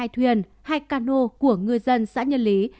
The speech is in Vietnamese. một mươi hai thuyền hai cano của ngư dân xã nhân lý